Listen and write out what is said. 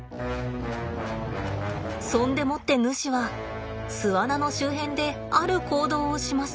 そんでもってヌシは巣穴の周辺である行動をします。